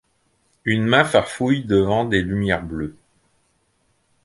une main farfouille devant des lumières bleues.